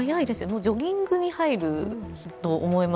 ジョギングに入ると思います。